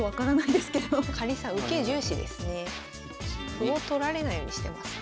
歩を取られないようにしてますね。